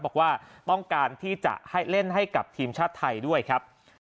บอกว่าต้องการที่จะให้เล่นให้กับทีมชาติไทยด้วยครับ